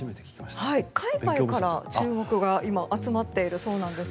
海外から注目が今、集まっているそうなんです。